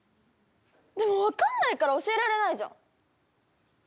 でも分かんないから教えられないじゃん。